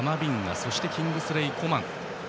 そしてキングスレイ・コマン。